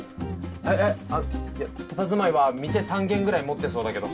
えっえっあっいやたたずまいは店３軒ぐらい持ってそうだけど。